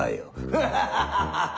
フハハハハハ！